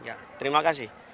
ya terima kasih